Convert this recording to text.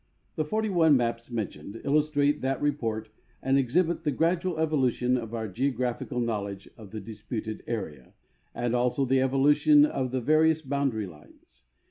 The 41 maps mentioned illustrate that report and exhibit the gradual evolu tion of our geographical knowledge of the disi)uted area, and also the evolution of the various boundary lines.